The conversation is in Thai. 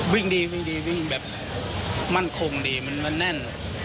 วิ่งดีแบบมั่นคงดีมันแน่น